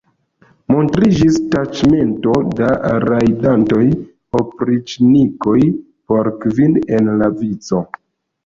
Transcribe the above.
Montriĝis taĉmento da rajdantaj opriĉnikoj po kvin en la vico.